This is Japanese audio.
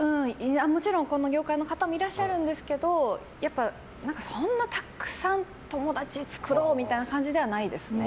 もちろんこの業界の方もいらっしゃるんですけどそんなにたくさん友達を作ろうみたいな感じではないですね。